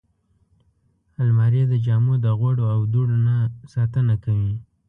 الماري د جامو د غوړو او دوړو نه ساتنه کوي